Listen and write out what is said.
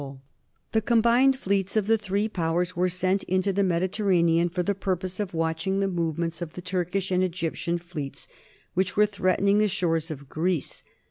[Sidenote: 1824 Death of Lord Byron] The combined fleets of the three Powers were sent into the Mediterranean for the purpose of watching the movements of the Turkish and Egyptian fleets, which were threatening the shores of Greece.